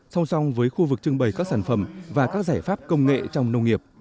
song song với khu vực trưng bày các sản phẩm và các giải pháp công nghệ trong nông nghiệp